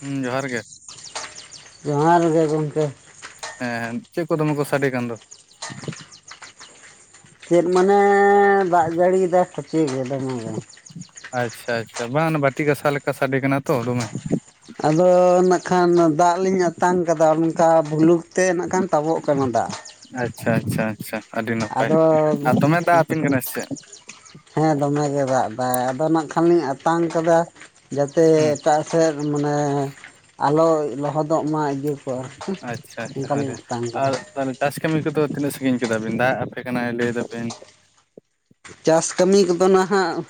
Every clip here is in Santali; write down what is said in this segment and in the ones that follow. ᱦᱩᱸ ᱡᱚᱦᱟᱨ ᱜᱮ ᱡᱚᱦᱟᱨ ᱜᱮ ᱜᱚᱢᱠᱮ ᱦᱮᱸ ᱦᱮᱸ ᱪᱮᱫ ᱠᱚ ᱫᱚᱢᱮ ᱠᱚ ᱥᱟᱸᱰᱮ ᱟᱠᱟᱱ ᱫᱚ᱾ ᱪᱮᱫ ᱢᱟᱱᱮ ᱫᱟᱜ ᱡᱟᱹᱲᱤᱭᱤᱫᱟ ᱠᱷᱟᱪᱮ ᱜᱮ ᱫᱚᱢᱮ ᱜᱮ᱾ ᱟᱪᱪᱷᱟ ᱟᱪᱪᱷᱟ ᱵᱟᱝ ᱵᱟᱹᱴᱤ ᱜᱟᱥᱟᱣ ᱞᱮᱠᱟ ᱥᱟᱰᱮ ᱠᱟᱱᱟ ᱛᱚ ᱫᱚᱢᱮ᱾ ᱟᱫᱚ ᱱᱟᱜ ᱠᱷᱟᱱ ᱫᱟᱜ ᱞᱤᱧ ᱟᱛᱟᱝ ᱠᱟᱫᱟ ᱚᱱᱠᱟ ᱵᱷᱩᱞᱩᱠ᱾ ᱛᱮ ᱱᱟᱜ ᱠᱷᱟᱱ ᱛᱟᱵᱚᱜ ᱠᱟᱱᱟ ᱫᱟᱜ᱾ ᱟᱪᱪᱷᱟ ᱟᱪᱪᱷᱟ ᱟᱪᱪᱷᱟ ᱟᱹᱰᱤ ᱱᱟᱯᱟᱭ, ᱟᱫᱚ ᱟᱨ ᱫᱚᱢᱮ ᱫᱟᱜ ᱟᱵᱤᱱ ᱠᱟᱱᱟᱭ ᱥᱮᱪᱮᱫ᱾ ᱦᱮᱸ ᱫᱚᱢᱮᱜᱭ ᱫᱟᱜ ᱮᱫᱟᱭ ᱟᱫᱚ ᱱᱟᱜ ᱠᱷᱟᱱᱞᱤᱧ ᱟᱛᱟᱝ ᱠᱟᱫᱟ᱾ ᱡᱟᱛᱮ ᱦᱩᱸ ᱮᱴᱟᱜ ᱥᱮᱫ ᱢᱟᱱᱮ ᱟᱞᱚ ᱞᱚᱦᱚᱫᱚᱜ ᱢᱟ ᱤᱭᱟᱹ᱾ ᱚ ᱟᱨ ᱟᱪᱪᱷᱟ ᱠᱤ ᱟᱪᱪᱷᱟ ᱚᱱᱠᱟ ᱞᱤᱧ ᱟᱹᱰᱤ ᱟᱛᱟᱝ ᱟᱨ ᱠᱟᱫᱟ᱾ ᱛᱟᱦᱚᱞᱮ ᱪᱟᱥ ᱠᱟᱹᱢᱤ ᱠᱚᱫᱚ ᱛᱤᱱᱟᱹᱜ ᱥᱟᱸᱹᱜᱤᱧ ᱠᱮᱫᱟᱵᱤᱱ, ᱫᱟᱜ ᱟᱯᱮ ᱠᱟᱱᱟᱭ ᱞᱟᱹᱭᱮᱫᱟᱵᱤᱱ᱾ ᱪᱟᱥ ᱠᱟᱹᱢᱤ ᱠᱚᱫᱚ ᱱᱟᱦᱟᱜ᱾